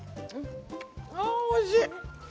ああ、おいしい。